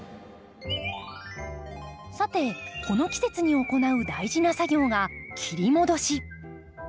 さてこの季節に行う大事な作業が切り戻し。